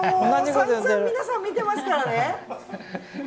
散々、皆さん見てますからね。